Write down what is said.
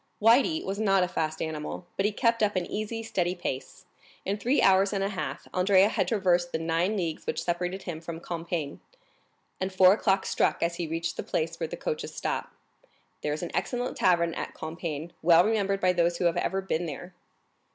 Le Blanc was not a fast animal, but he kept up an easy, steady pace; in three hours and a half Andrea had traversed the nine leagues which separated him from Compiègne, and four o'clock struck as he reached the place where the coaches stop. There is an excellent tavern at Compiègne, well remembered by those who have ever been there.